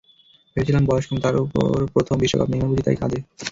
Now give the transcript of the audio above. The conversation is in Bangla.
ভেবেছিলাম, বয়স কম, তার ওপর প্রথম বিশ্বকাপ, নেইমার বুঝি তাই কাঁদে।